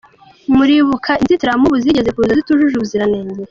Muribuka inzitiramubu zigeze kuza zitujuje ubuziranenge.